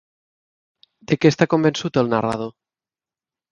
De què està convençut el narrador?